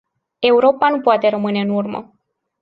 Europa nu poate rămâne în urmă.